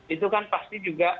itu kan pasti juga